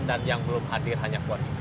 dan yang belum hadir hanya poni